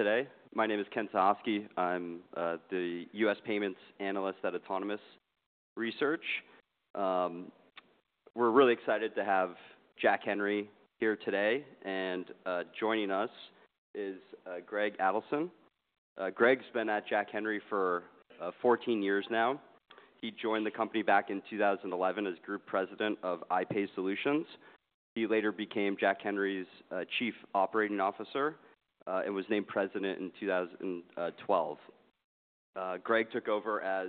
Joining us today. My name is Ken Suchoski. I'm the US payments analyst at Autonomous Research. We're really excited to have Jack Henry here today. Joining us is Greg Adelson. Greg's been at Jack Henry for 14 years now. He joined the company back in 2011 as group president of iPay Solutions. He later became Jack Henry's Chief Operating Officer, and was named president in 2012. Greg took over as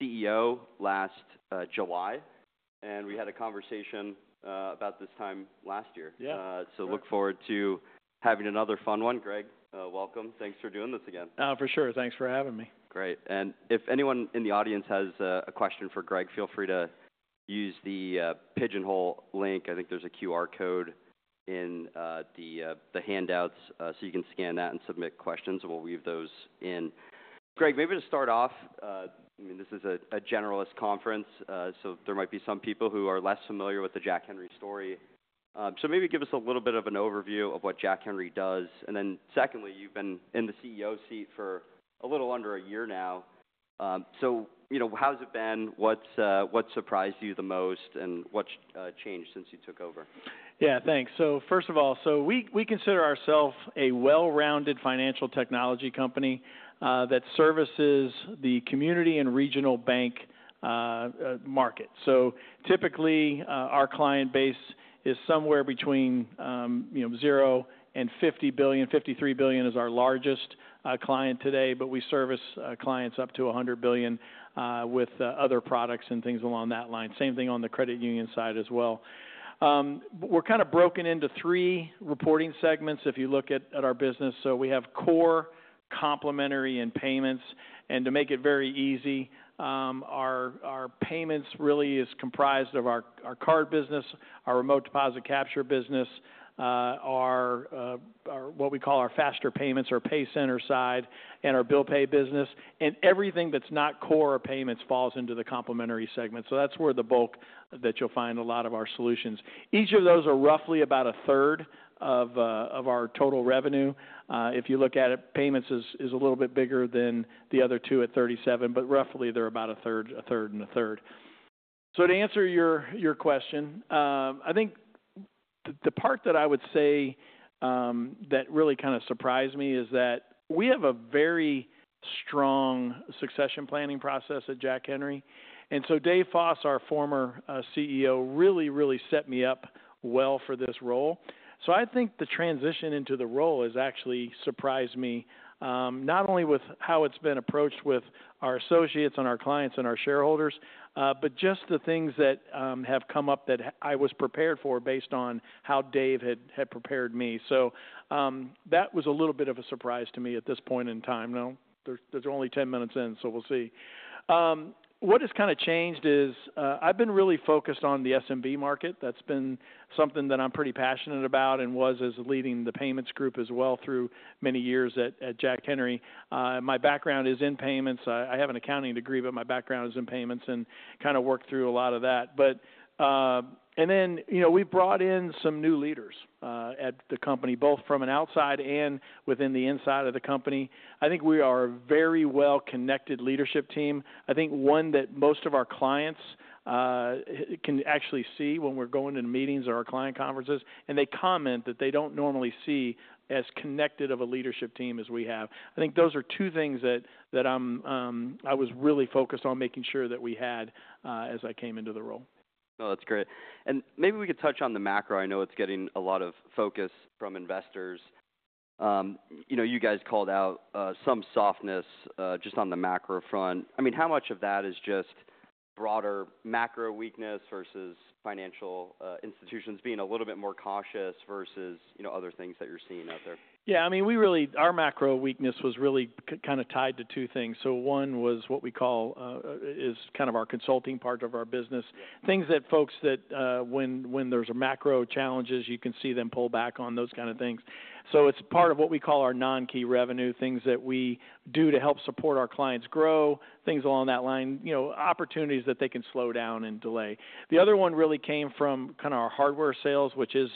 CEO last July. We had a conversation about this time last year. Yeah. Look forward to having another fun one. Greg, welcome. Thanks for doing this again. For sure. Thanks for having me. Great. If anyone in the audience has a question for Greg, feel free to use the pigeonhole link. I think there is a QR code in the handouts, so you can scan that and submit questions, and we will weave those in. Greg, maybe to start off, I mean, this is a generalist conference, so there might be some people who are less familiar with the Jack Henry story. Maybe give us a little bit of an overview of what Jack Henry does. Then, you have been in the CEO seat for a little under a year now. You know, how has it been? What surprised you the most? What has changed since you took over? Yeah, thanks. First of all, we consider ourselves a well-rounded financial technology company that services the community and regional bank market. Typically, our client base is somewhere between, you know, 0 and $50 billion. $53 billion is our largest client today. We service clients up to $100 billion with other products and things along that line. Same thing on the credit union side as well. We're kind of broken into three reporting segments if you look at our business. We have core, complementary, and payments. To make it very easy, our payments really is comprised of our card business, our remote deposit capture business, our what we call our faster payments, our pay center side, and our bill pay business. Everything that's not core or payments falls into the complementary segment. That's where the bulk that you'll find a lot of our solutions. Each of those are roughly about a third of our total revenue. If you look at it, payments is a little bit bigger than the other two at 37%, but roughly they're about a third, a third, and a third. To answer your question, I think the part that I would say that really kind of surprised me is that we have a very strong succession planning process at Jack Henry. Dave Foss, our former CEO, really set me up well for this role. I think the transition into the role has actually surprised me, not only with how it's been approached with our associates and our clients and our shareholders, but just the things that have come up that I was prepared for based on how Dave had prepared me. That was a little bit of a surprise to me at this point in time. Now, there's only 10 minutes in, so we'll see. What has kind of changed is, I've been really focused on the SMB market. That's been something that I'm pretty passionate about and was as leading the payments group as well through many years at Jack Henry. My background is in payments. I have an accounting degree, but my background is in payments and kind of worked through a lot of that. You know, we've brought in some new leaders at the company, both from outside and within the inside of the company. I think we are a very well-connected leadership team. I think one that most of our clients can actually see when we're going to meetings or our client conferences, and they comment that they do not normally see as connected of a leadership team as we have. I think those are two things that I was really focused on making sure that we had as I came into the role. No, that's great. Maybe we could touch on the macro. I know it's getting a lot of focus from investors. You know, you guys called out some softness just on the macro front. I mean, how much of that is just broader macro weakness versus financial institutions being a little bit more cautious versus, you know, other things that you're seeing out there? Yeah. I mean, we really, our macro weakness was really kind of tied to two things. One was what we call, is kind of our consulting part of our business. Yeah. Things that folks, when there's macro challenges, you can see them pull back on those kind of things. It is part of what we call our non-key revenue, things that we do to help support our clients grow, things along that line, you know, opportunities that they can slow down and delay. The other one really came from kind of our hardware sales, which is,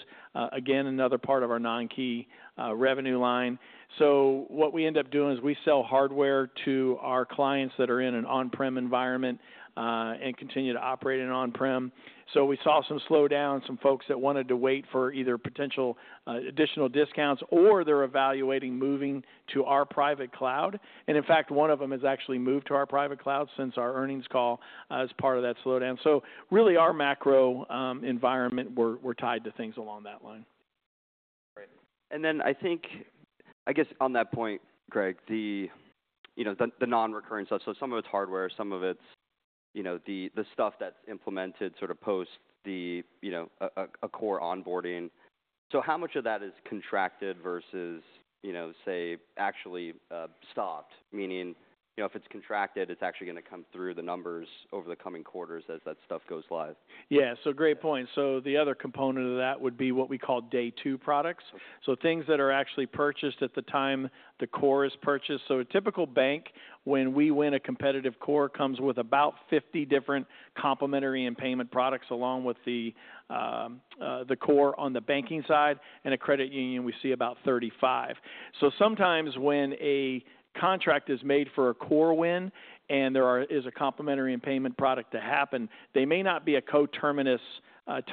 again, another part of our non-key revenue line. What we end up doing is we sell hardware to our clients that are in an on-prem environment, and continue to operate in on-prem. We saw some slowdown, some folks that wanted to wait for either potential additional discounts or they are evaluating moving to our private cloud. In fact, one of them has actually moved to our private cloud since our earnings call, as part of that slowdown. Really our macro environment, we're tied to things along that line. Great. I guess on that point, Greg, you know, the non-recurring stuff, so some of it's hardware, some of it's, you know, the stuff that's implemented sort of post the, you know, a core onboarding. How much of that is contracted versus, you know, say, actually stopped? Meaning, you know, if it's contracted, it's actually gonna come through the numbers over the coming quarters as that stuff goes live. Yeah. Great point. The other component of that would be what we call day two products. Okay. Things that are actually purchased at the time the core is purchased. A typical bank, when we win a competitive core, comes with about 50 different complementary and payment products along with the core on the banking side. A credit union, we see about 35. Sometimes when a contract is made for a core win and there is a complementary and payment product to happen, they may not be a coterminous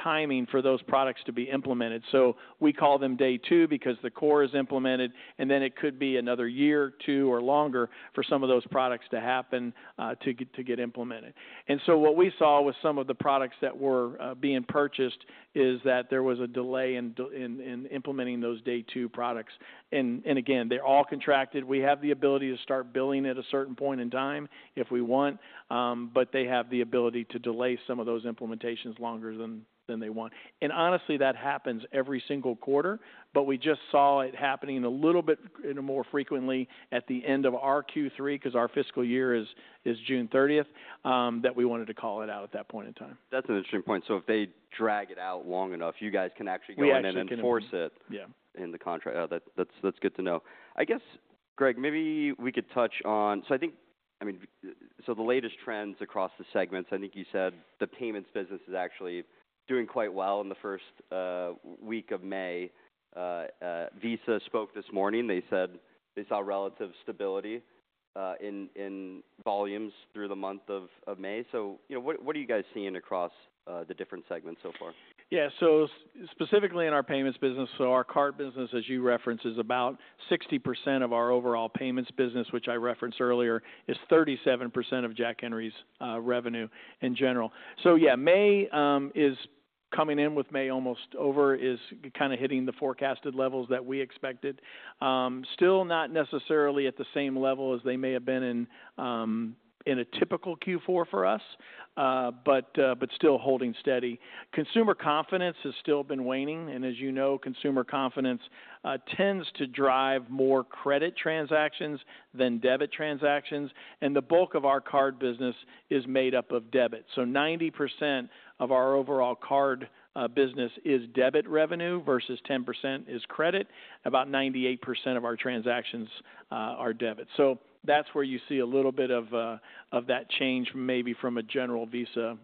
timing for those products to be implemented. We call them day two because the core is implemented, and then it could be another year, two, or longer for some of those products to get implemented. What we saw with some of the products that were being purchased is that there was a delay in implementing those day two products. Again, they are all contracted. We have the ability to start billing at a certain point in time if we want, but they have the ability to delay some of those implementations longer than they want. Honestly, that happens every single quarter, but we just saw it happening a little bit more frequently at the end of our Q3 because our fiscal year is June 30th, that we wanted to call it out at that point in time. That's an interesting point. If they drag it out long enough, you guys can actually go in and enforce it. Yeah. In the contract. That's good to know. I guess, Greg, maybe we could touch on, so I think, I mean, the latest trends across the segments, I think you said the payments business is actually doing quite well in the first week of May. Visa spoke this morning. They said they saw relative stability in volumes through the month of May. You know, what are you guys seeing across the different segments so far? Yeah. Specifically in our payments business, our card business, as you referenced, is about 60% of our overall payments business, which I referenced earlier, is 37% of Jack Henry's revenue in general. Yeah, May, with May almost over, is kind of hitting the forecasted levels that we expected. Still not necessarily at the same level as they may have been in a typical Q4 for us, but still holding steady. Consumer confidence has still been waning. As you know, consumer confidence tends to drive more credit transactions than debit transactions. The bulk of our card business is made up of debit. So 90% of our overall card business is debit revenue versus 10% is credit. About 98% of our transactions are debit. That's where you see a little bit of that change maybe from a general Visa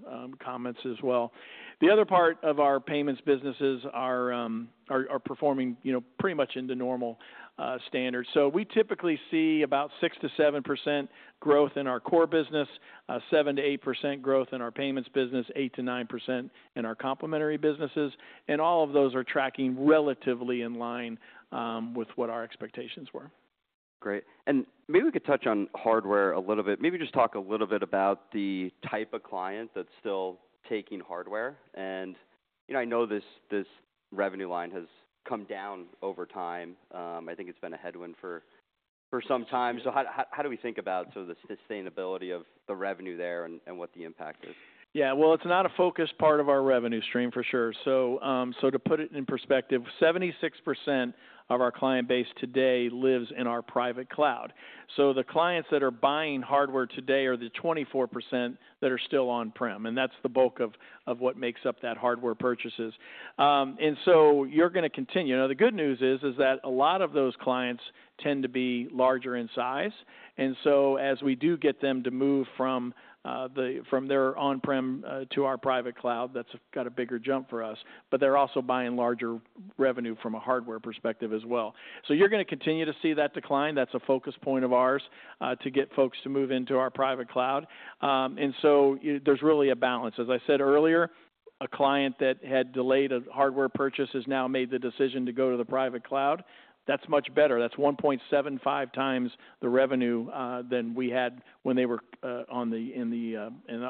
comments as well. The other part of our payments businesses are performing, you know, pretty much into normal standards. We typically see about 6-7% growth in our core business, 7-8% growth in our payments business, 8-9% in our complementary businesses. All of those are tracking relatively in line with what our expectations were. Great. Maybe we could touch on hardware a little bit. Maybe just talk a little bit about the type of client that's still taking hardware. You know, I know this revenue line has come down over time. I think it's been a headwind for some time. How do we think about sort of the sustainability of the revenue there and what the impact is? Yeah. It's not a focused part of our revenue stream for sure. To put it in perspective, 76% of our client base today lives in our private cloud. The clients that are buying hardware today are the 24% that are still on-prem. That's the bulk of what makes up that hardware purchases. You're gonna continue. Now, the good news is that a lot of those clients tend to be larger in size. As we do get them to move from their on-prem to our private cloud, that's got a bigger jump for us. They're also buying larger revenue from a hardware perspective as well. You're gonna continue to see that decline. That's a focus point of ours, to get folks to move into our private cloud. There's really a balance. As I said earlier, a client that had delayed a hardware purchase has now made the decision to go to the private cloud. That's much better. That's 1.75 times the revenue than we had when they were on the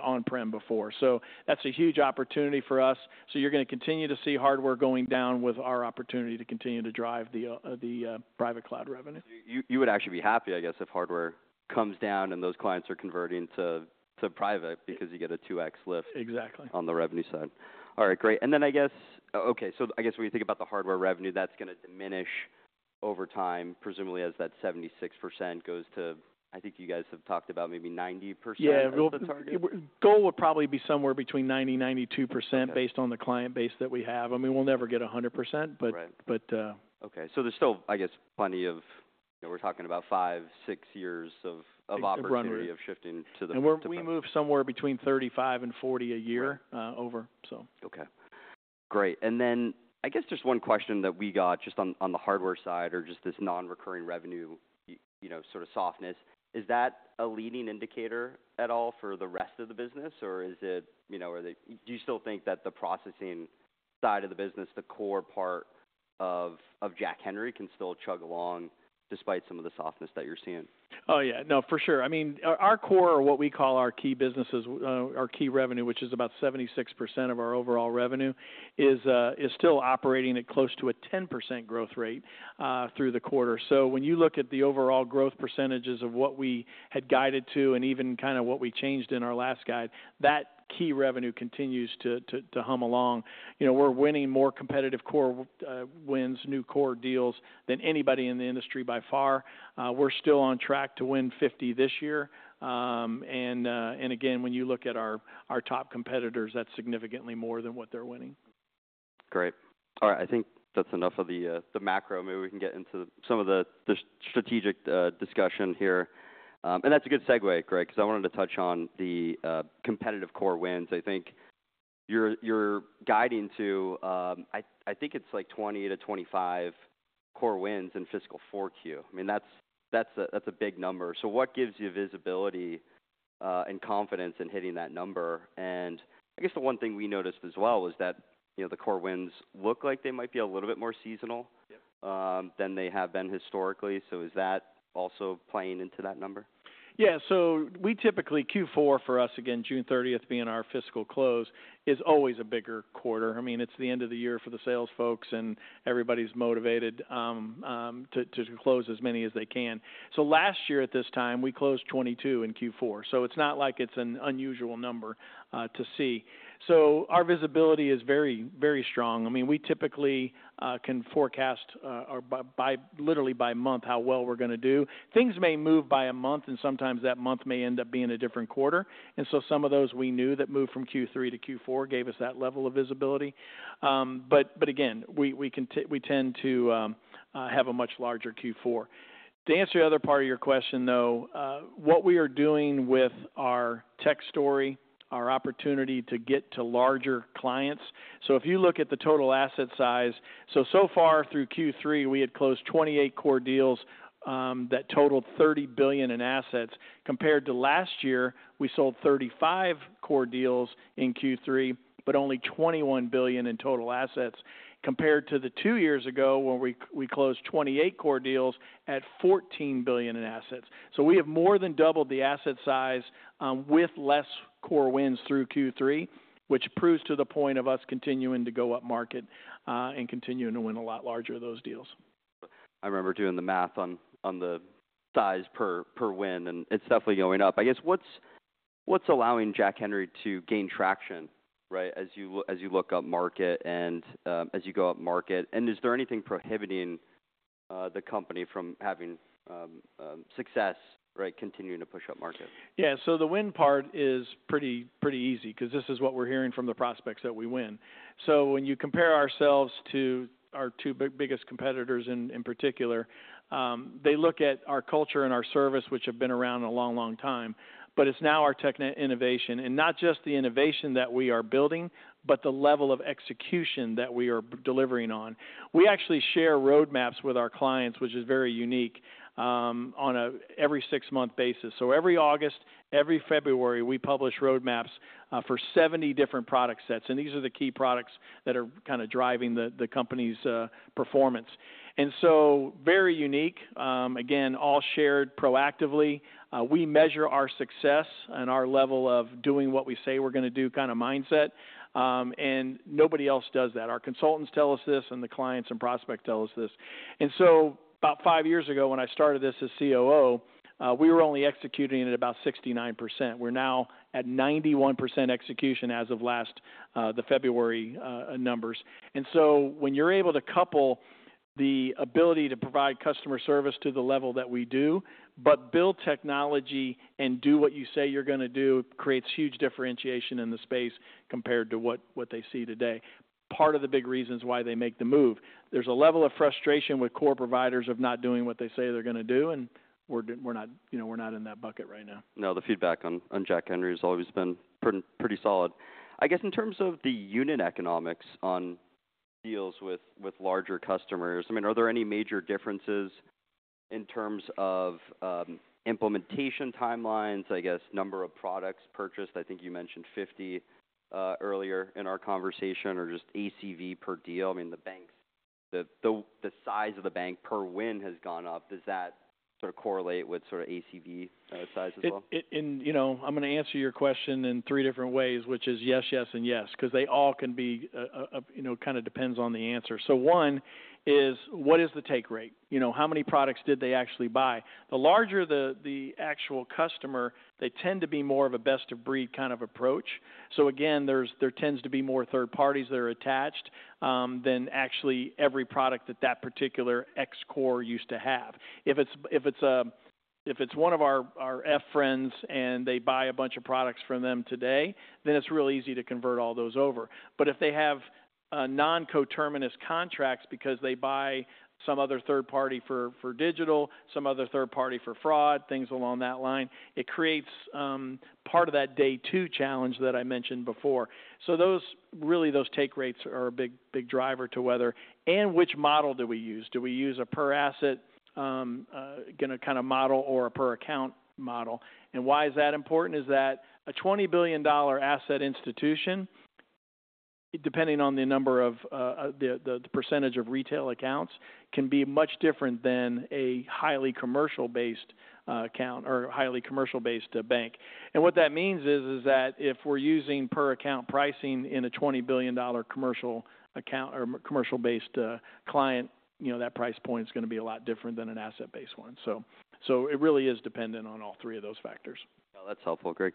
on-prem before. That's a huge opportunity for us. You're gonna continue to see hardware going down with our opportunity to continue to drive the private cloud revenue. You would actually be happy, I guess, if hardware comes down and those clients are converting to private because you get a 2X lift. Exactly. On the revenue side. All right. Great. And then I guess, okay, so I guess when you think about the hardware revenue, that's gonna diminish over time, presumably as that 76% goes to, I think you guys have talked about maybe 90% of the target. Yeah. The goal would probably be somewhere between 90-92% based on the client base that we have. I mean, we'll never get 100%, but. Right. But, Okay. So there's still, I guess, plenty of, you know, we're talking about five, six years of opportunity of shifting to the. We move somewhere between 35 and 40 a year, over, so. Okay. Great. I guess just one question that we got just on the hardware side or just this non-recurring revenue, you know, sort of softness, is that a leading indicator at all for the rest of the business? Is it, you know, do you still think that the processing side of the business, the core part of Jack Henry can still chug along despite some of the softness that you're seeing? Oh, yeah. No, for sure. I mean, our core or what we call our key businesses, our key revenue, which is about 76% of our overall revenue, is still operating at close to a 10% growth rate, through the quarter. When you look at the overall growth percentages of what we had guided to and even kind of what we changed in our last guide, that key revenue continues to hum along. You know, we're winning more competitive core wins, new core deals than anybody in the industry by far. We're still on track to win 50 this year. Again, when you look at our top competitors, that's significantly more than what they're winning. Great. All right. I think that's enough of the, the macro. Maybe we can get into some of the, the strategic discussion here. And that's a good segue, Greg, 'cause I wanted to touch on the competitive core wins. I think you're, you're guiding to, I, I think it's like 20-25 core wins in fiscal 4Q. I mean, that's, that's a, that's a big number. So what gives you visibility and confidence in hitting that number? And I guess the one thing we noticed as well was that, you know, the core wins look like they might be a little bit more seasonal. Yep. Is that also playing into that number? Yeah. We typically, Q4 for us, again, June 30 being our fiscal close, is always a bigger quarter. I mean, it's the end of the year for the sales folks, and everybody's motivated to close as many as they can. Last year at this time, we closed 22 in Q4. It's not like it's an unusual number to see. Our visibility is very, very strong. I mean, we typically can forecast, literally by month, how well we're gonna do. Things may move by a month, and sometimes that month may end up being a different quarter. Some of those we knew that moved from Q3-Q4 gave us that level of visibility. Again, we tend to have a much larger Q4. To answer the other part of your question though, what we are doing with our tech story, our opportunity to get to larger clients. If you look at the total asset size, so far through Q3, we had closed 28 core deals that totaled $30 billion in assets. Compared to last year, we sold 35 core deals in Q3, but only $21 billion in total assets, compared to two years ago when we closed 28 core deals at $14 billion in assets. We have more than doubled the asset size with fewer core wins through Q3, which proves the point of us continuing to go up market and continuing to win a lot larger of those deals. I remember doing the math on the size per win, and it's definitely going up. I guess what's allowing Jack Henry to gain traction, right, as you look up market and, as you go up market? Is there anything prohibiting the company from having success, right, continuing to push up market? Yeah. The win part is pretty, pretty easy 'cause this is what we're hearing from the prospects that we win. When you compare ourselves to our two biggest competitors in particular, they look at our culture and our service, which have been around a long, long time, but it's now our tech innovation. And not just the innovation that we are building, but the level of execution that we are delivering on. We actually share roadmaps with our clients, which is very unique, on an every six-month basis. Every August, every February, we publish roadmaps for 70 different product sets. These are the key products that are kind of driving the company's performance. Very unique, again, all shared proactively. We measure our success and our level of doing what we say we're gonna do kind of mindset. Nobody else does that. Our consultants tell us this, and the clients and prospects tell us this. About five years ago when I started this as COO, we were only executing at about 69%. We are now at 91% execution as of last, the February, numbers. When you are able to couple the ability to provide customer service to the level that we do, but build technology and do what you say you are gonna do, it creates huge differentiation in the space compared to what they see today. Part of the big reasons why they make the move. There is a level of frustration with core providers of not doing what they say they are gonna do, and we are not, you know, we are not in that bucket right now. No, the feedback on Jack Henry has always been pretty, pretty solid. I guess in terms of the unit economics on deals with larger customers, I mean, are there any major differences in terms of implementation timelines, I guess, number of products purchased? I think you mentioned 50 earlier in our conversation or just ACV per deal. I mean, the bank's, the size of the bank per win has gone up. Does that sort of correlate with sort of ACV size as well? It, and, you know, I'm gonna answer your question in three different ways, which is yes, yes, and yes 'cause they all can be, you know, kind of depends on the answer. One is what is the take rate? You know, how many products did they actually buy? The larger the actual customer, they tend to be more of a best of breed kind of approach. Again, there tends to be more third parties that are attached than actually every product that that particular ex-core used to have. If it's one of our F friends and they buy a bunch of products from them today, then it's real easy to convert all those over. If they have non-coterminous contracts because they buy some other third party for digital, some other third party for fraud, things along that line, it creates part of that day two challenge that I mentioned before. Those take rates are a big, big driver to whether and which model do we use. Do we use a per asset kind of model or a per account model? Why is that important? A $20 billion asset institution, depending on the number of, the percentage of retail accounts, can be much different than a highly commercial-based account or highly commercial-based bank. What that means is that if we're using per account pricing in a $20 billion commercial account or commercial-based client, that price point's gonna be a lot different than an asset-based one. So it really is dependent on all three of those factors. No, that's helpful, Greg.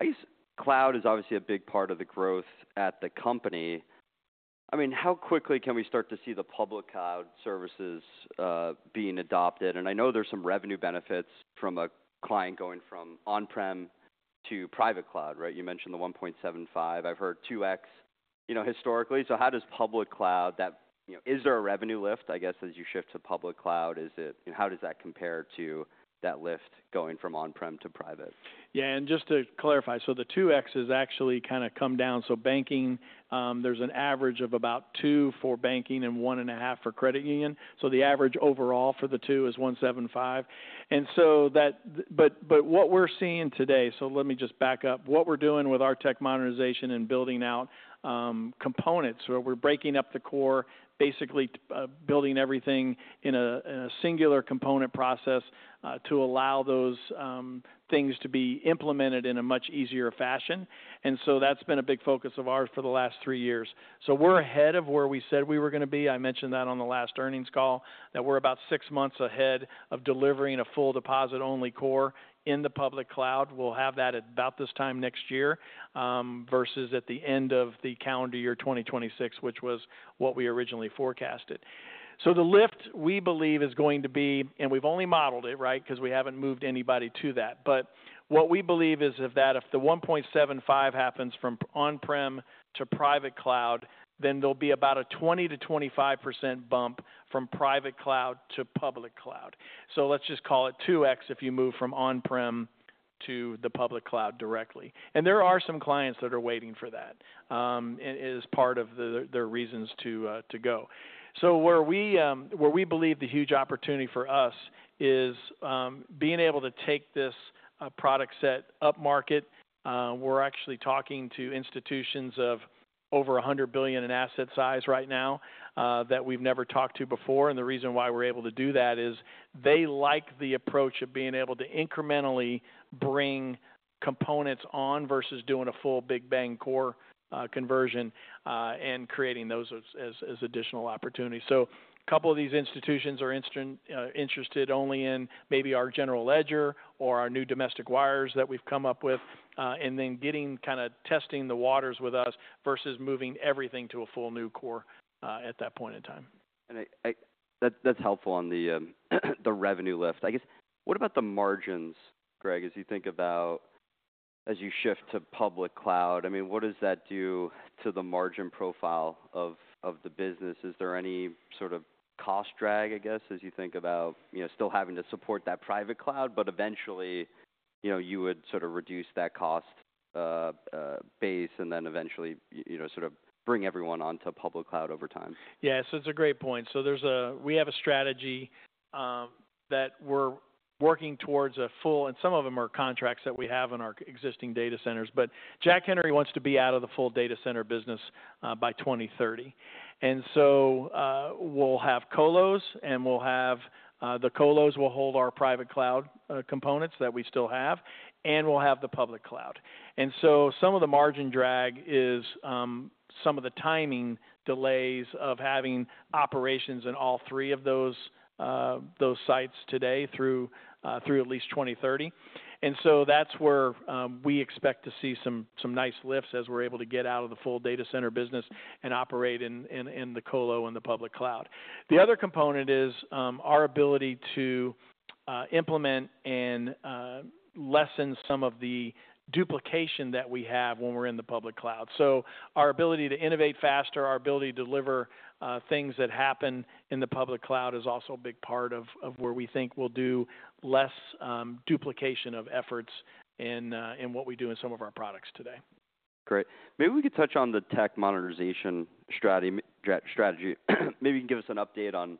I guess cloud is obviously a big part of the growth at the company. I mean, how quickly can we start to see the public cloud services being adopted? And I know there's some revenue benefits from a client going from on-prem to private cloud, right? You mentioned the 1.75. I've heard 2X, you know, historically. How does public cloud, you know, is there a revenue lift, I guess, as you shift to public cloud? Is it, you know, how does that compare to that lift going from on-prem to private? Yeah. And just to clarify, the 2X has actually kind of come down. Banking, there is an average of about two for banking and one and a half for credit union. The average overall for the two is 1.75. What we are seeing today, let me just back up what we are doing with our tech modernization and building out components. We are breaking up the core, basically building everything in a singular component process to allow those things to be implemented in a much easier fashion. That has been a big focus of ours for the last three years. We are ahead of where we said we were going to be. I mentioned that on the last earnings call, that we are about six months ahead of delivering a full deposit-only core in the public cloud. We'll have that at about this time next year, versus at the end of the calendar year 2026, which was what we originally forecasted. The lift we believe is going to be, and we've only modeled it, right, 'cause we haven't moved anybody to that. What we believe is if the 1.75 happens from on-prem to private cloud, then there'll be about a 20%-25% bump from private cloud to public cloud. Let's just call it 2X if you move from on-prem to the public cloud directly. There are some clients that are waiting for that, as part of their reasons to go. Where we believe the huge opportunity for us is, being able to take this product set up market. We're actually talking to institutions of over $100 billion in asset size right now that we've never talked to before. The reason why we're able to do that is they like the approach of being able to incrementally bring components on versus doing a full Big Bang core conversion and creating those as additional opportunities. A couple of these institutions are interested only in maybe our general ledger or our new domestic wires that we've come up with, and then kind of testing the waters with us versus moving everything to a full new core at that point in time. I, I, that's helpful on the, the revenue lift. I guess what about the margins, Greg, as you think about as you shift to public cloud? I mean, what does that do to the margin profile of, of the business? Is there any sort of cost drag, I guess, as you think about, you know, still having to support that private cloud, but eventually, you know, you would sort of reduce that cost base and then eventually, you know, sort of bring everyone onto public cloud over time? Yeah. It's a great point. We have a strategy that we're working towards, and some of them are contracts that we have in our existing data centers. Jack Henry wants to be out of the full data center business by 2030. We'll have colos, and the colos will hold our private cloud components that we still have, and we'll have the public cloud. Some of the margin drag is some of the timing delays of having operations in all three of those sites today through at least 2030. That's where we expect to see some nice lifts as we're able to get out of the full data center business and operate in the colo and the public cloud. The other component is our ability to implement and lessen some of the duplication that we have when we're in the public cloud. Our ability to innovate faster, our ability to deliver things that happen in the public cloud is also a big part of where we think we'll do less duplication of efforts in what we do in some of our products today. Great. Maybe we could touch on the tech modernization strategy. Maybe you can give us an update on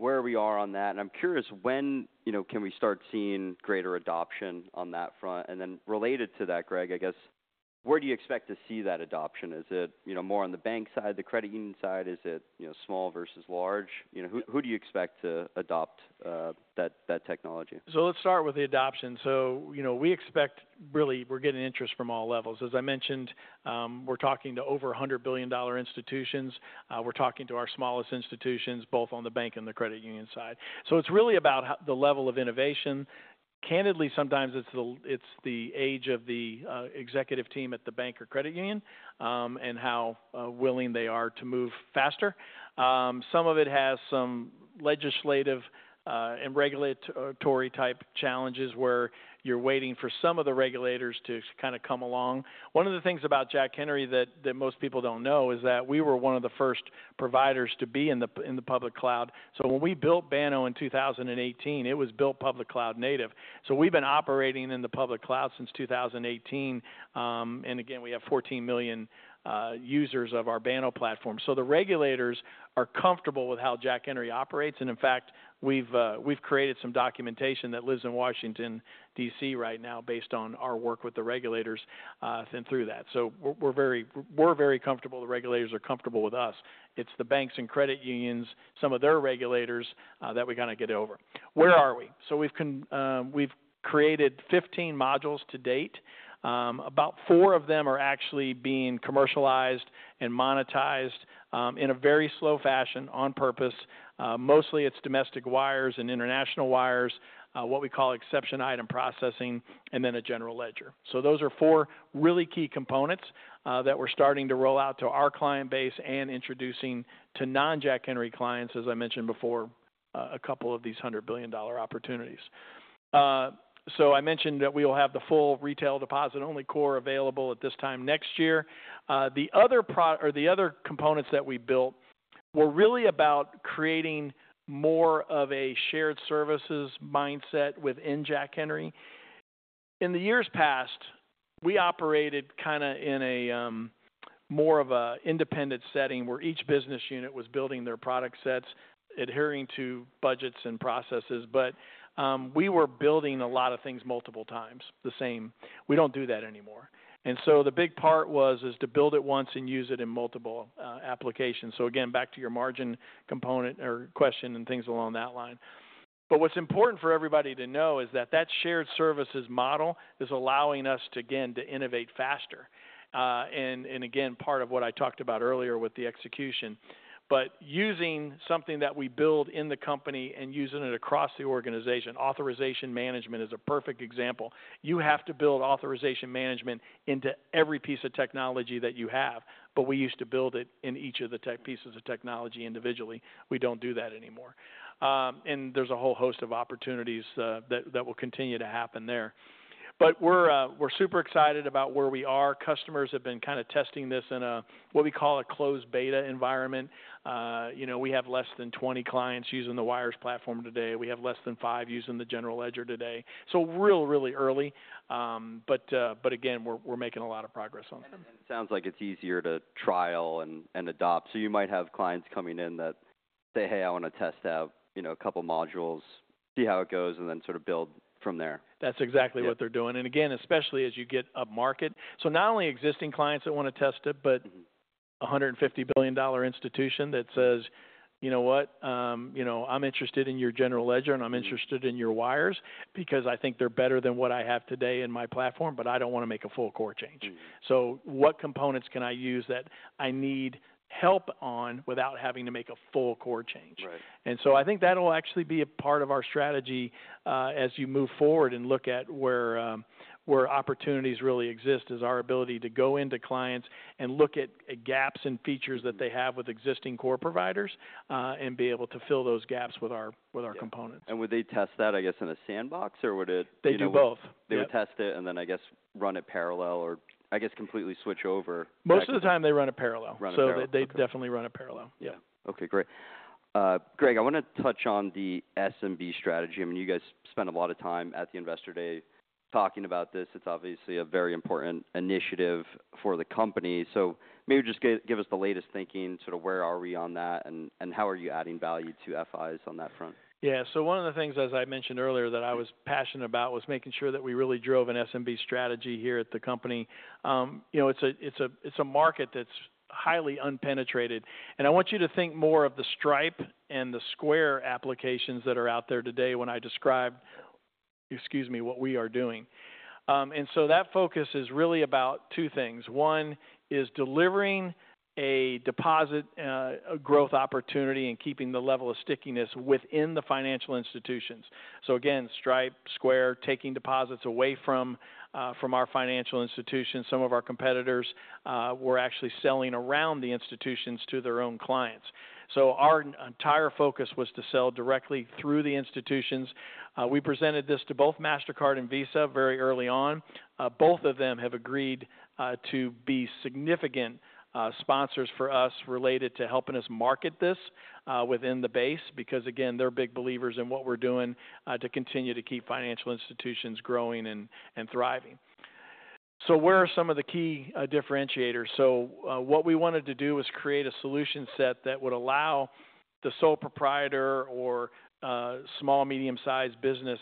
where we are on that. I'm curious when, you know, can we start seeing greater adoption on that front? Related to that, Greg, I guess, where do you expect to see that adoption? Is it, you know, more on the bank side, the credit union side? Is it, you know, small versus large? You know, who do you expect to adopt that technology? Let's start with the adoption. You know, we expect really we're getting interest from all levels. As I mentioned, we're talking to over $100 billion institutions. We're talking to our smallest institutions, both on the bank and the credit union side. It's really about how the level of innovation. Candidly, sometimes it's the age of the executive team at the bank or credit union, and how willing they are to move faster. Some of it has some legislative and regulatory type challenges where you're waiting for some of the regulators to kind of come along. One of the things about Jack Henry that most people don't know is that we were one of the first providers to be in the public cloud. When we built Banno in 2018, it was built public cloud native. We've been operating in the public cloud since 2018. Again, we have 14 million users of our Banno platform. The regulators are comfortable with how Jack Henry operates. In fact, we've created some documentation that lives in Washington, DC right now based on our work with the regulators, and through that. We're very comfortable. The regulators are comfortable with us. It's the banks and credit unions, some of their regulators, that we kind of get over. Where are we? We've created 15 modules to date. About four of them are actually being commercialized and monetized, in a very slow fashion on purpose. Mostly it's domestic wires and international wires, what we call exception item processing, and then a general ledger. Those are four really key components that we're starting to roll out to our client base and introducing to non-Jack Henry clients, as I mentioned before, a couple of these $100 billion opportunities. I mentioned that we will have the full retail deposit-only core available at this time next year. The other components that we built were really about creating more of a shared services mindset within Jack Henry. In years past, we operated kind of in a more independent setting where each business unit was building their product sets adhering to budgets and processes. We were building a lot of things multiple times the same. We do not do that anymore. The big part was to build it once and use it in multiple applications. Again, back to your margin component or question and things along that line. What's important for everybody to know is that that shared services model is allowing us to, again, to innovate faster, and, and again, part of what I talked about earlier with the execution, but using something that we build in the company and using it across the organization. Authorization management is a perfect example. You have to build authorization management into every piece of technology that you have, but we used to build it in each of the pieces of technology individually. We do not do that anymore, and there is a whole host of opportunities that will continue to happen there. We are super excited about where we are. Customers have been kind of testing this in a, what we call a closed beta environment. You know, we have less than 20 clients using the wires platform today. We have less than five using the General Ledger today. So, really early, but again, we're making a lot of progress on that. It sounds like it's easier to trial and adopt. You might have clients coming in that say, "Hey, I wanna test out, you know, a couple modules, see how it goes," and then sort of build from there. That's exactly what they're doing. Again, especially as you get up market. Not only existing clients that wanna test it, but a $150 billion institution that says, "You know what? You know, I'm interested in your general ledger and I'm interested in your wires because I think they're better than what I have today in my platform, but I don't wanna make a full core change." What components can I use that I need help on without having to make a full core change? Right. I think that'll actually be a part of our strategy, as you move forward and look at where opportunities really exist, is our ability to go into clients and look at gaps and features that they have with existing core providers, and be able to fill those gaps with our components. Would they test that, I guess, in a sandbox or would it be? They do both. They would test it and then I guess run it parallel or I guess completely switch over? Most of the time they run it parallel. Run it parallel. They definitely run it parallel. Yeah. Okay. Great. Greg, I wanna touch on the SMB strategy. I mean, you guys spent a lot of time at the investor day talking about this. It's obviously a very important initiative for the company. Maybe just give us the latest thinking, sort of where are we on that, and how are you adding value to FIs on that front? Yeah. So one of the things, as I mentioned earlier, that I was passionate about was making sure that we really drove an SMB strategy here at the company. You know, it's a market that's highly unpenetrated. And I want you to think more of the Stripe and the Square applications that are out there today when I describe, excuse me, what we are doing. That focus is really about two things. One is delivering a deposit, a growth opportunity and keeping the level of stickiness within the financial institutions. Again, Stripe, Square, taking deposits away from our financial institutions. Some of our competitors were actually selling around the institutions to their own clients. Our entire focus was to sell directly through the institutions. We presented this to both Mastercard and Visa very early on. Both of them have agreed to be significant sponsors for us related to helping us market this within the base because, again, they are big believers in what we are doing to continue to keep financial institutions growing and thriving. Where are some of the key differentiators? What we wanted to do was create a solution set that would allow the sole proprietor or small, medium-sized business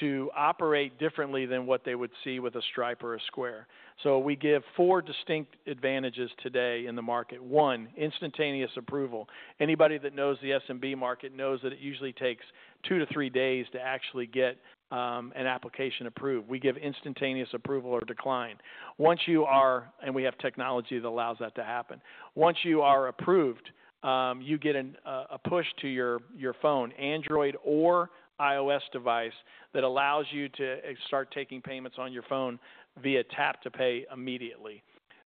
to operate differently than what they would see with a Stripe or a Square. We give four distinct advantages today in the market. One, instantaneous approval. Anybody that knows the SMB market knows that it usually takes two to three days to actually get an application approved. We give instantaneous approval or decline. Once you are, and we have technology that allows that to happen. Once you are approved, you get a push to your phone, Android or iOS device, that allows you to start taking payments on your phone via tap to pay immediately.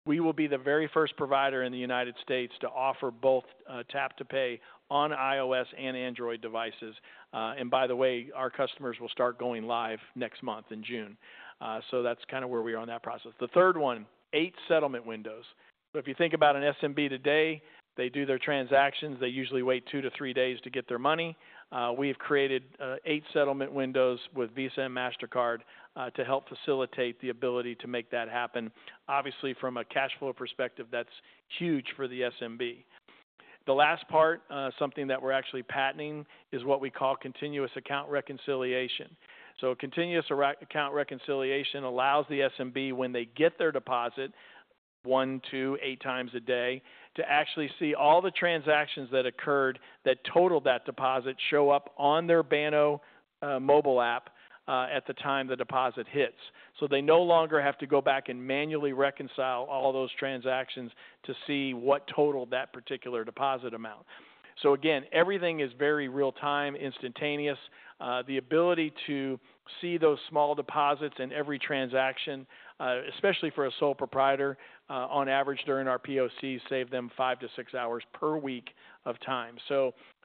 We will be the very first provider in the United States to offer both tap to pay on iOS and Android devices. By the way, our customers will start going live next month in June. That is kind of where we are in that process. The third one, eight settlement windows. If you think about an SMB today, they do their transactions, they usually wait two to three days to get their money. We have created eight settlement windows with Visa and Mastercard to help facilitate the ability to make that happen. Obviously, from a cash flow perspective, that is huge for the SMB. The last part, something that we're actually patenting is what we call continuous account reconciliation. Continuous account reconciliation allows the SMB, when they get their deposit one, two, eight times a day, to actually see all the transactions that occurred that totaled that deposit show up on their Banno mobile app at the time the deposit hits. They no longer have to go back and manually reconcile all those transactions to see what totaled that particular deposit amount. Again, everything is very real-time, instantaneous. The ability to see those small deposits in every transaction, especially for a sole proprietor, on average during our POCs saved them five to six hours per week of time.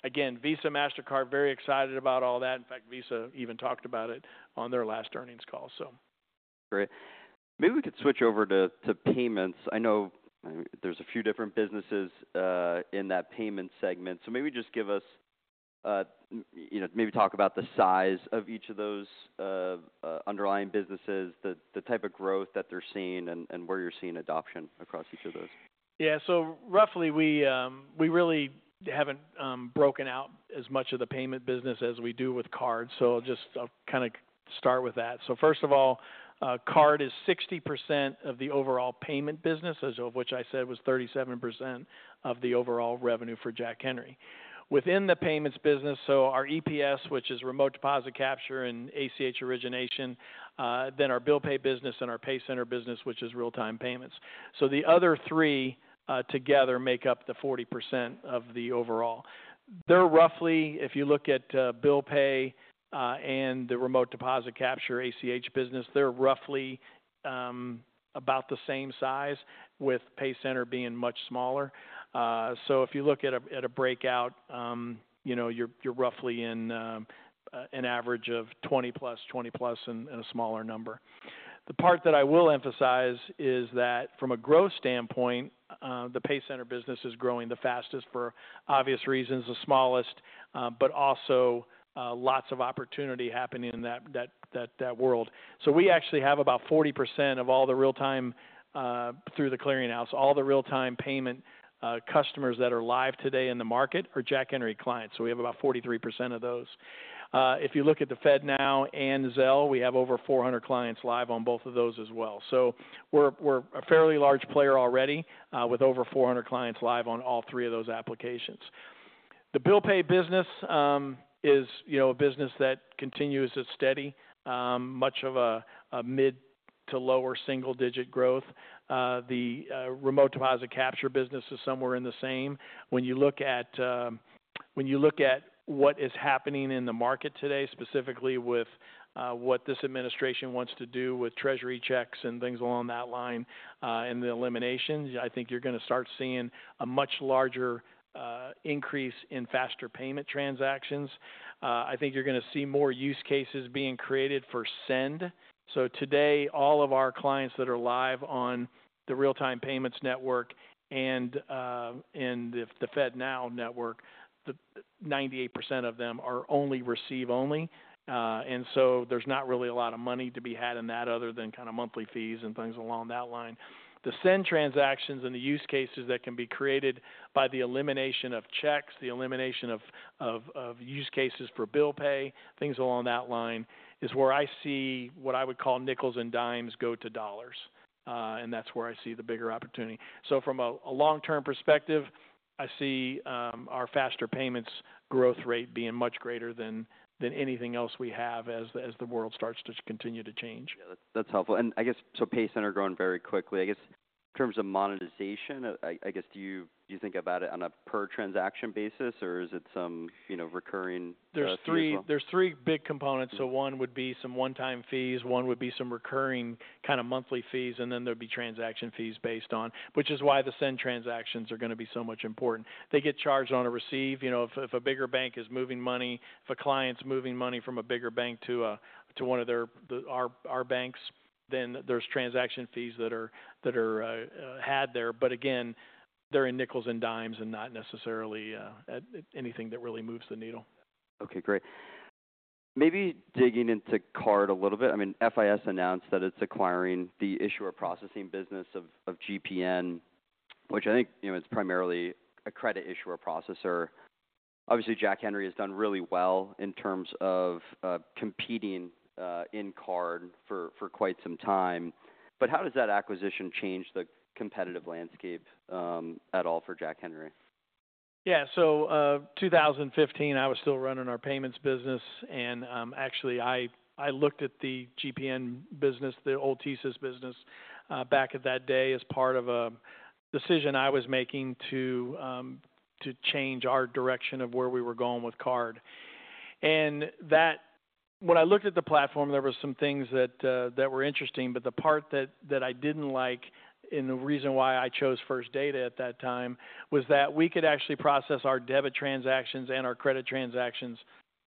Again, Visa, Mastercard, very excited about all that. In fact, Visa even talked about it on their last earnings call. Great. Maybe we could switch over to payments. I know there's a few different businesses in that payment segment. Maybe just give us, you know, maybe talk about the size of each of those underlying businesses, the type of growth that they're seeing, and where you're seeing adoption across each of those. Yeah. So roughly, we really haven't broken out as much of the payment business as we do with card. I'll just, I'll kind of start with that. First of all, card is 60% of the overall payment business, which I said was 37% of the overall revenue for Jack Henry. Within the payments business, our EPS, which is remote deposit capture and ACH origination, then our bill pay business and our pay center business, which is real-time payments. The other three together make up the 40% of the overall. They're roughly, if you look at bill pay and the remote deposit capture ACH business, they're roughly about the same size, with pay center being much smaller. If you look at a breakout, you're roughly in an average of 20 plus, 20 plus, and a smaller number. The part that I will emphasize is that from a growth standpoint, the Pay Center business is growing the fastest for obvious reasons, the smallest, but also, lots of opportunity happening in that world. We actually have about 40% of all the real-time, through The Clearing House, all the real-time payment customers that are live today in the market are Jack Henry clients. We have about 43% of those. If you look at the FedNow and Zelle, we have over 400 clients live on both of those as well. We are a fairly large player already, with over 400 clients live on all three of those applications. The Bill Pay business is, you know, a business that continues to steady, much of a mid to lower single-digit growth. The Remote Deposit Capture business is somewhere in the same. When you look at what is happening in the market today, specifically with what this administration wants to do with treasury checks and things along that line, and the eliminations, I think you're gonna start seeing a much larger increase in faster payment transactions. I think you're gonna see more use cases being created for send. Today, all of our clients that are live on the real-time payments network and the FedNow network, 98% of them are only receive only. There is not really a lot of money to be had in that other than kind of monthly fees and things along that line. The send transactions and the use cases that can be created by the elimination of checks, the elimination of use cases for bill pay, things along that line is where I see what I would call nickels and dimes go to dollars. That's where I see the bigger opportunity. From a long-term perspective, I see our faster payments growth rate being much greater than anything else we have as the world starts to continue to change. Yeah. That's helpful. I guess, Pay Center growing very quickly, I guess in terms of monetization, I guess do you think about it on a per transaction basis or is it some, you know, recurring? There are three big components. One would be some one-time fees, one would be some recurring kind of monthly fees, and then there would be transaction fees based on, which is why the send transactions are going to be so much more important. They get charged on a receive, you know, if a bigger bank is moving money, if a client's moving money from a bigger bank to one of their, our banks, then there are transaction fees that are had there. Again, they are in nickels and dimes and not necessarily at anything that really moves the needle. Okay. Great. Maybe digging into card a little bit. I mean, FIS announced that it's acquiring the issuer processing business of GPN, which I think, you know, it's primarily a credit issuer processor. Obviously, Jack Henry has done really well in terms of, competing, in card for, for quite some time. How does that acquisition change the competitive landscape, at all for Jack Henry? Yeah. In 2015, I was still running our payments business and, actually, I looked at the GPN business, the old thesis business, back at that day as part of a decision I was making to change our direction of where we were going with card. When I looked at the platform, there were some things that were interesting, but the part that I did not like and the reason why I chose First Data at that time was that we could actually process our debit transactions and our credit transactions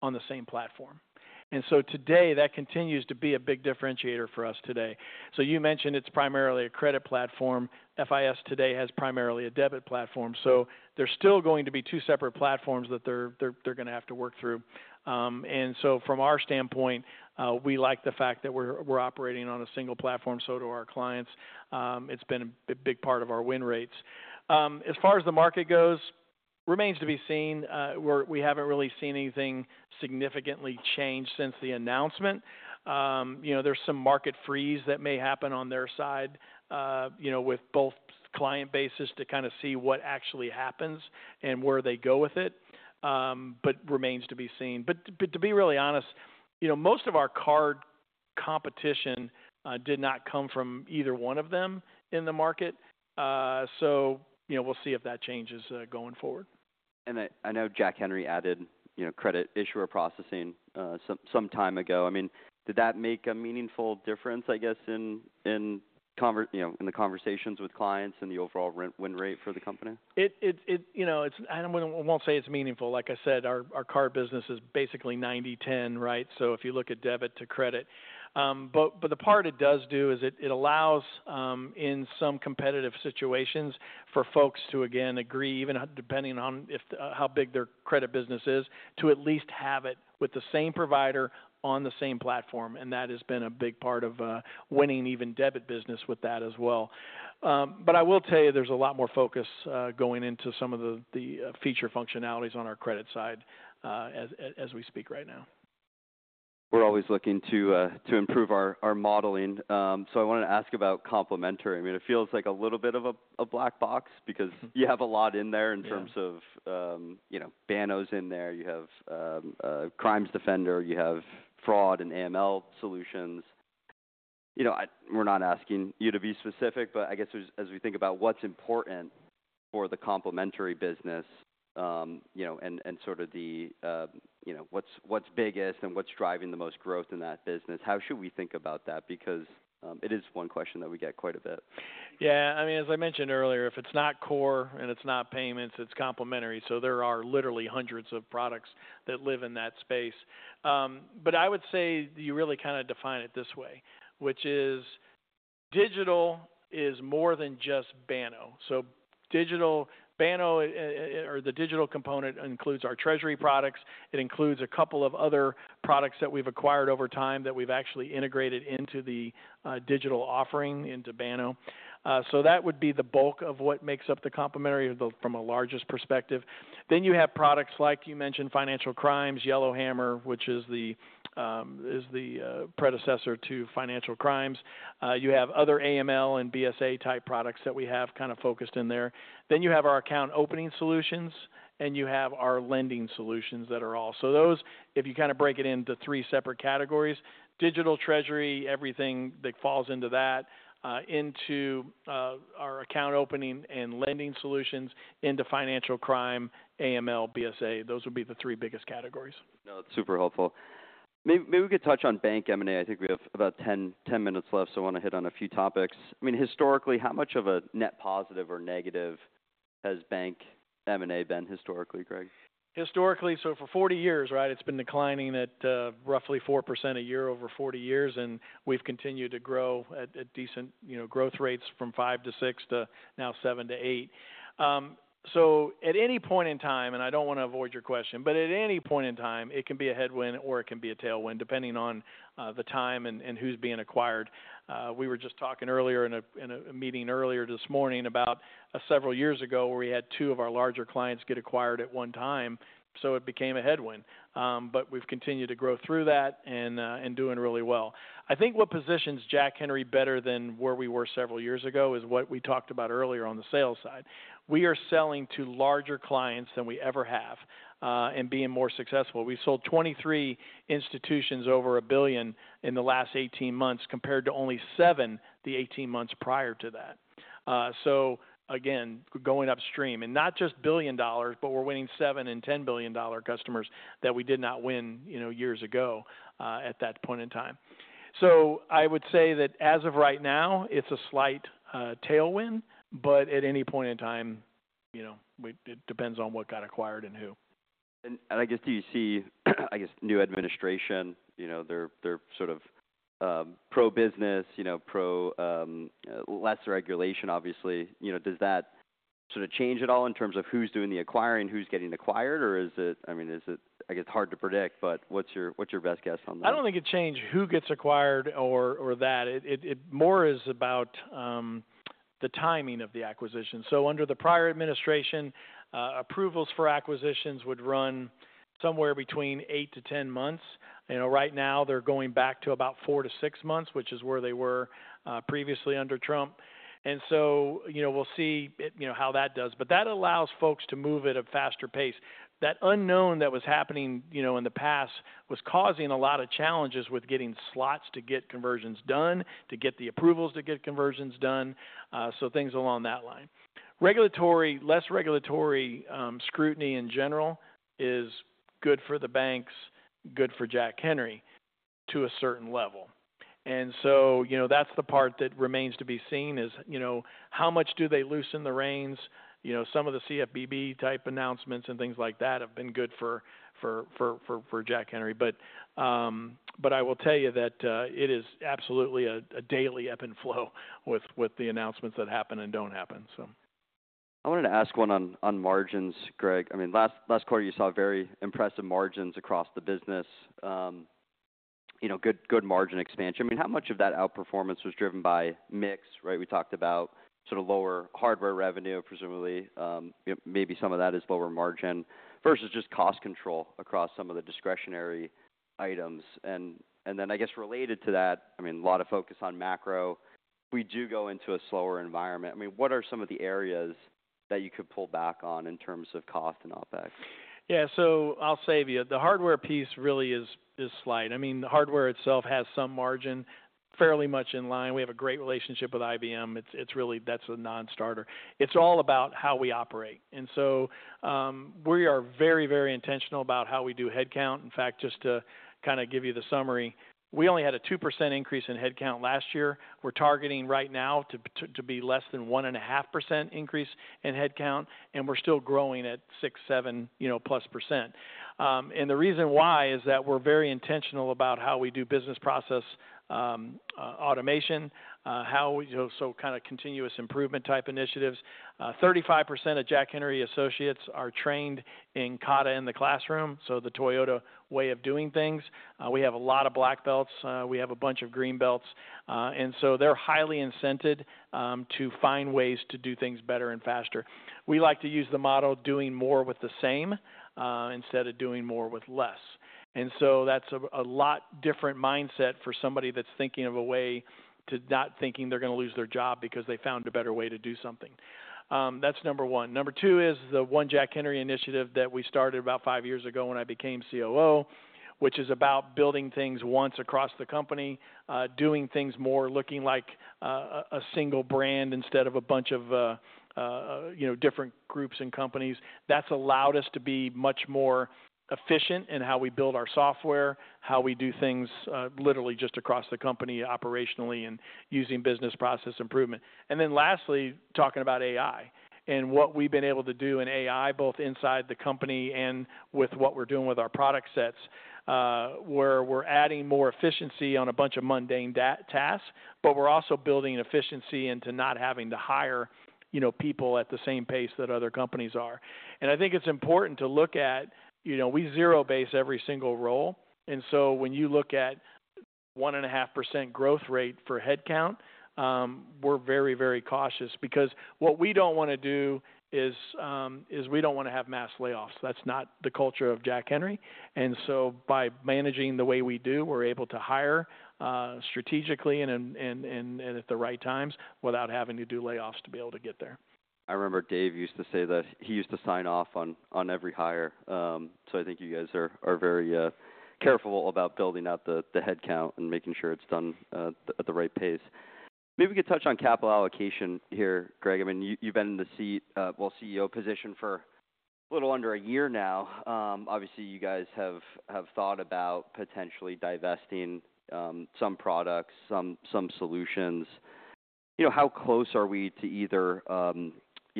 on the same platform. Today, that continues to be a big differentiator for us. You mentioned it is primarily a credit platform. FIS today has primarily a debit platform. There are still going to be two separate platforms that they are going to have to work through. From our standpoint, we like the fact that we're operating on a single platform. So do our clients. It's been a big, big part of our win rates. As far as the market goes, remains to be seen. We haven't really seen anything significantly changed since the announcement. You know, there's some market freeze that may happen on their side, you know, with both client bases to kind of see what actually happens and where they go with it. Remains to be seen. To be really honest, you know, most of our card competition did not come from either one of them in the market. You know, we'll see if that changes going forward. I know Jack Henry added, you know, credit issuer processing some time ago. I mean, did that make a meaningful difference, I guess, in the conversations with clients and the overall win rate for the company? It, you know, it's, I don't want, won't say it's meaningful. Like I said, our card business is basically 90-10, right? If you look at debit to credit, but the part it does do is it allows, in some competitive situations, for folks to again agree, even depending on if, how big their credit business is, to at least have it with the same provider on the same platform. That has been a big part of winning even debit business with that as well. I will tell you there's a lot more focus going into some of the feature functionalities on our credit side, as we speak right now. We're always looking to improve our modeling. I wanted to ask about complementary. I mean, it feels like a little bit of a black box because you have a lot in there in terms of, you know, Banno is in there. You have Financial Crimes Defender, you have fraud and AML solutions. I, we're not asking you to be specific, but I guess as we think about what's important for the complementary business, you know, and sort of the, you know, what's biggest and what's driving the most growth in that business, how should we think about that? Because it is one question that we get quite a bit. Yeah. I mean, as I mentioned earlier, if it's not core and it's not payments, it's complementary. There are literally hundreds of products that live in that space. I would say you really kind of define it this way, which is digital is more than just Banno. Digital Banno or the digital component includes our treasury products. It includes a couple of other products that we've acquired over time that we've actually integrated into the digital offering into Banno. That would be the bulk of what makes up the complementary from a largest perspective. You have products like you mentioned Financial Crimes, Yellow Hammer, which is the predecessor to Financial Crimes. You have other AML and BSA type products that we have kind of focused in there. You have our account opening solutions and you have our lending solutions that are also, those if you kind of break it into three separate categories, digital treasury, everything that falls into that, into our account opening and lending solutions into financial crime, AML, BSA. Those would be the three biggest categories. No, that's super helpful. Maybe, maybe we could touch on bank M&A. I think we have about 10 minutes left. I wanna hit on a few topics. I mean, historically, how much of a net positive or negative has bank M&A been historically, Greg? Historically, so for 40 years, right? It's been declining at, roughly 4% a year over 40 years. And we've continued to grow at, at decent, you know, growth rates from 5-6% to now 7-8%. At any point in time, and I don't wanna avoid your question, but at any point in time, it can be a headwind or it can be a tailwind depending on the time and, and who's being acquired. We were just talking earlier in a meeting earlier this morning about several years ago where we had two of our larger clients get acquired at one time. It became a headwind. We have continued to grow through that and, and doing really well. I think what positions Jack Henry better than where we were several years ago is what we talked about earlier on the sales side. We are selling to larger clients than we ever have, and being more successful. We sold 23 institutions over $1 billion in the last 18 months compared to only seven the 18 months prior to that. So again, going upstream and not just $1 billion, but we're winning $7 billion and $10 billion customers that we did not win, you know, years ago, at that point in time. So I would say that as of right now, it's a slight tailwind, but at any point in time, you know, we, it depends on what got acquired and who. Do you see, I guess, new administration, you know, they're sort of pro business, you know, pro, less regulation, obviously, you know, does that sort of change at all in terms of who's doing the acquiring, who's getting acquired, or is it, I mean, is it, I guess, hard to predict, but what's your, what's your best guess on that? I don't think it changed who gets acquired or, or that. It more is about the timing of the acquisition. Under the prior administration, approvals for acquisitions would run somewhere between eight to 10 months. You know, right now they're going back to about four to six months, which is where they were previously under Trump. You know, we'll see it, you know, how that does, but that allows folks to move at a faster pace. That unknown that was happening, you know, in the past was causing a lot of challenges with getting slots to get conversions done, to get the approvals to get conversions done, so things along that line. Regulatory, less regulatory scrutiny in general is good for the banks, good for Jack Henry to a certain level. You know, that's the part that remains to be seen is, you know, how much do they loosen the reins? Some of the CFPB type announcements and things like that have been good for Jack Henry. I will tell you that it is absolutely a daily ebb and flow with the announcements that happen and do not happen. I wanted to ask one on, on margins, Greg. I mean, last quarter you saw very impressive margins across the business. You know, good margin expansion. I mean, how much of that outperformance was driven by mix, right? We talked about sort of lower hardware revenue, presumably, maybe some of that is lower margin versus just cost control across some of the discretionary items. And then I guess related to that, I mean, a lot of focus on macro, we do go into a slower environment. I mean, what are some of the areas that you could pull back on in terms of cost and OpEx? Yeah. I'll save you. The hardware piece really is slight. I mean, the hardware itself has some margin, fairly much in line. We have a great relationship with IBM. It's really, that's a non-starter. It's all about how we operate. We are very, very intentional about how we do headcount. In fact, just to kind of give you the summary, we only had a 2% increase in headcount last year. We're targeting right now to be less than 1.5% increase in headcount, and we're still growing at 6-7% plus. The reason why is that we're very intentional about how we do business process automation, how we, you know, so kind of continuous improvement type initiatives. 35% of Jack Henry associates are trained in Kata in the classroom. The Toyota way of doing things. We have a lot of black belts. We have a bunch of green belts. And so they're highly incented to find ways to do things better and faster. We like to use the model doing more with the same, instead of doing more with less. That is a lot different mindset for somebody that's thinking of a way to not thinking they're gonna lose their job because they found a better way to do something. That's number one. Number two is the One Jack Henry initiative that we started about five years ago when I became COO, which is about building things once across the company, doing things more looking like a single brand instead of a bunch of, you know, different groups and companies. That's allowed us to be much more efficient in how we build our software, how we do things, literally just across the company operationally and using business process improvement. Lastly, talking about AI and what we've been able to do in AI, both inside the company and with what we're doing with our product sets, where we're adding more efficiency on a bunch of mundane tasks, but we're also building efficiency into not having to hire, you know, people at the same pace that other companies are. I think it's important to look at, you know, we zero base every single role. When you look at 1.5% growth rate for headcount, we're very, very cautious because what we don't want to do is we don't want to have mass layoffs. That's not the culture of Jack Henry. By managing the way we do, we're able to hire strategically and at the right times without having to do layoffs to be able to get there. I remember Dave used to say that he used to sign off on every hire. I think you guys are very careful about building out the headcount and making sure it's done at the right pace. Maybe we could touch on capital allocation here, Greg. I mean, you have been in the seat, CEO position for a little under a year now. Obviously you guys have thought about potentially divesting some products, some solutions.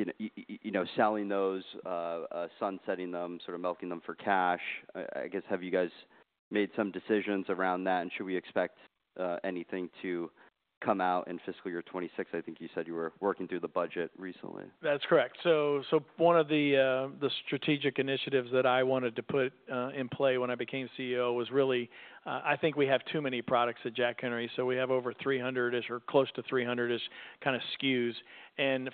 You know, how close are we to either, you know, selling those, sunsetting them, sort of milking them for cash? I guess have you guys made some decisions around that? Should we expect anything to come out in fiscal year 2026? I think you said you were working through the budget recently. That's correct. One of the strategic initiatives that I wanted to put in play when I became CEO was really, I think we have too many products at Jack Henry. We have over 300-ish or close to 300-ish kind of SKUs.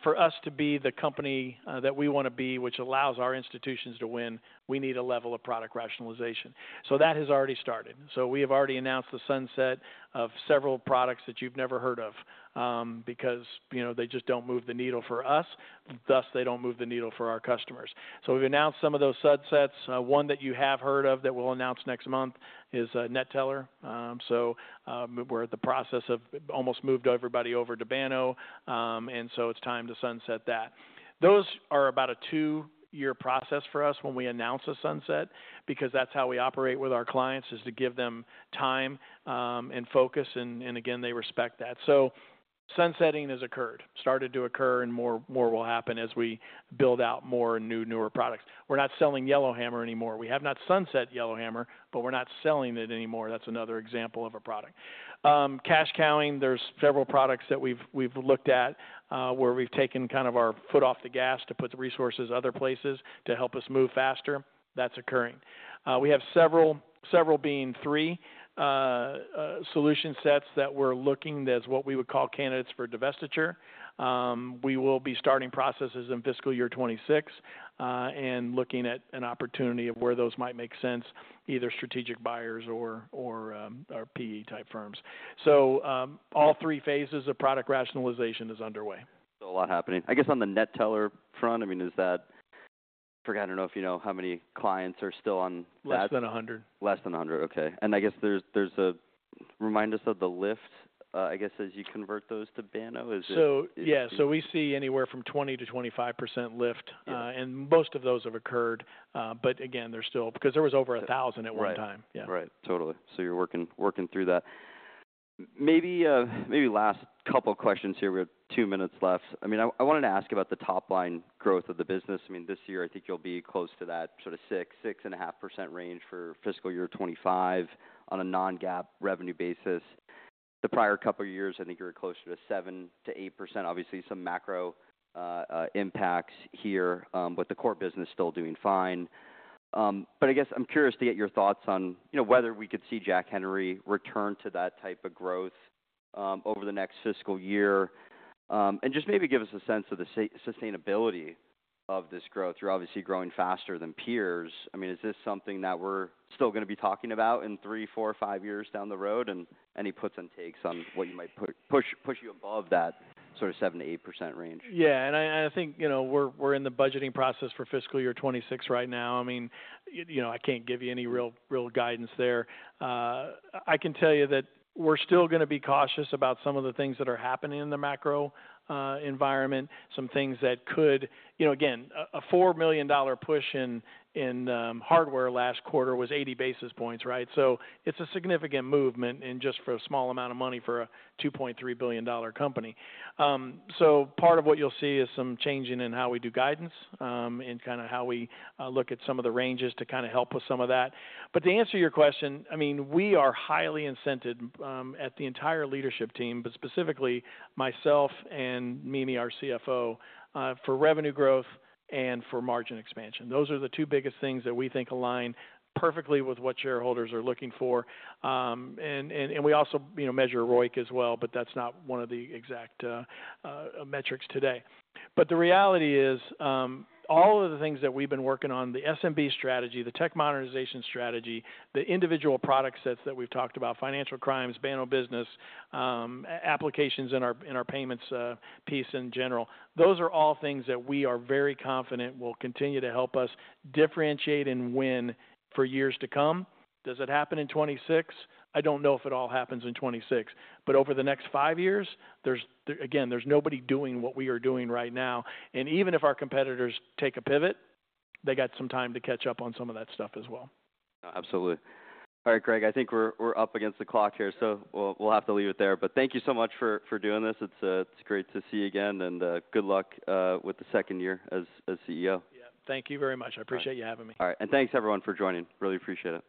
For us to be the company that we wanna be, which allows our institutions to win, we need a level of product rationalization. That has already started. We have already announced the sunset of several products that you've never heard of, because, you know, they just don't move the needle for us, thus they don't move the needle for our customers. We've announced some of those sunsets. One that you have heard of that we'll announce next month is NetTeller. We're at the process of almost moved everybody over to Banno, and so it's time to sunset that. Those are about a two-year process for us when we announce a sunset because that's how we operate with our clients is to give them time and focus. Again, they respect that. Sunsetting has occurred, started to occur, and more will happen as we build out more newer products. We're not selling Yellow Hammer anymore. We have not sunset Yellow Hammer, but we're not selling it anymore. That's another example of a product. Cash cowing, there's several products that we've looked at where we've taken kind of our foot off the gas to put the resources other places to help us move faster. That's occurring. We have several, several being three, solution sets that we're looking as what we would call candidates for divestiture. We will be starting processes in fiscal year 2026, and looking at an opportunity of where those might make sense, either strategic buyers or, or PE type firms. All three phases of product rationalization is underway. A lot happening. I guess on the NetTeller front, I mean, is that, I forget, I do not know if you know how many clients are still on that. Less than 100. Less than 100. Okay. I guess there's, there's a remind us of the lift, I guess as you convert those to Banno, is it? Yeah. We see anywhere from 20%-25% lift, and most of those have occurred. Again, there's still, because there was over 1,000 at one time. Yeah. Right. Right. Totally. So you're working, working through that. Maybe, maybe last couple of questions here. We have two minutes left. I mean, I wanted to ask about the top line growth of the business. I mean, this year I think you'll be close to that sort of 6-6.5% range for fiscal year 2025 on a non-GAAP revenue basis. The prior couple of years, I think you were closer to 7-8%. Obviously some macro impacts here, but the core business still doing fine. I guess I'm curious to get your thoughts on, you know, whether we could see Jack Henry return to that type of growth over the next fiscal year, and just maybe give us a sense of the sustainability of this growth. You're obviously growing faster than peers. I mean, is this something that we're still gonna be talking about in three, four, five years down the road, and any puts and takes on what you might push you above that sort of 7-8% range? Yeah. And I, I think, you know, we're, we're in the budgeting process for fiscal year 2026 right now. I mean, you, you know, I can't give you any real, real guidance there. I can tell you that we're still gonna be cautious about some of the things that are happening in the macro environment, some things that could, you know, again, a $4 million push in hardware last quarter was 80 basis points, right? It is a significant movement in just for a small amount of money for a $2.3 billion company. Part of what you'll see is some changing in how we do guidance, and kind of how we look at some of the ranges to kind of help with some of that. To answer your question, I mean, we are highly incented, the entire leadership team, but specifically myself and Mimi, our CFO, for revenue growth and for margin expansion. Those are the two biggest things that we think align perfectly with what shareholders are looking for. We also, you know, measure ROIC as well, but that's not one of the exact metrics today. The reality is, all of the things that we've been working on, the SMB strategy, the tech modernization strategy, the individual product sets that we've talked about, financial crimes, Banno business, applications in our payments piece in general, those are all things that we are very confident will continue to help us differentiate and win for years to come. Does it happen in 2026? I don't know if it all happens in 2026, but over the next five years, there's, again, there's nobody doing what we are doing right now. Even if our competitors take a pivot, they got some time to catch up on some of that stuff as well. Absolutely. All right, Greg, I think we're up against the clock here, so we'll have to leave it there. Thank you so much for doing this. It's great to see you again and good luck with the second year as CEO. Yeah. Thank you very much. I appreciate you having me. All right. Thanks everyone for joining. Really appreciate it.